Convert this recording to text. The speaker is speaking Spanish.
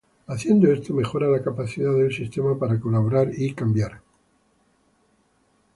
Haciendo esto, mejora la capacidad del sistema para colaborar y para cambiar.